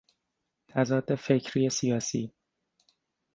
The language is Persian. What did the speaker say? تضاد فکری سیاسی